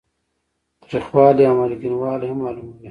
تریخوالی او مالګینوالی هم معلوموي.